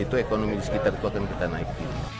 itu ekonomi sekitar itu akan kita naik